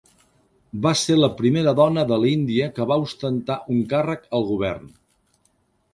Va ser la primera dona de l'Índia que va ostentar un càrrec al govern.